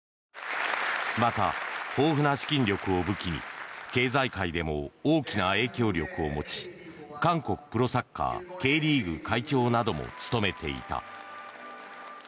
また、豊富な資金力を武器に経済界でも大きな影響力を持ち韓国プロサッカーＫリーグ会長なども務めていた。